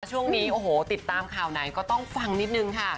ช่วงนี้โอ้โหติดตามข่าวไหนก็ต้องฟังนิดนึงค่ะ